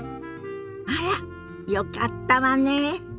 あらっよかったわねえ。